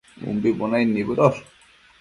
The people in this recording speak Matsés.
umbi bunaid nibëdosh